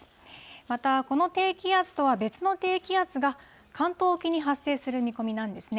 またこの低気圧とは別の低気圧が、関東沖に発生する見込みなんですね。